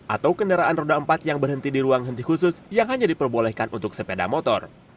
atau kendaraan roda empat yang berhenti di ruang henti khusus yang hanya diperbolehkan untuk sepeda motor